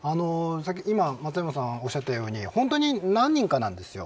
今松山さんがおっしゃったように本当に何人かなんですよ。